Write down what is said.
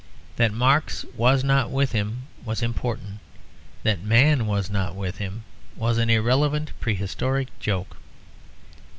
That Marx was not with him was important. That Man was not with him was an irrelevant prehistoric joke.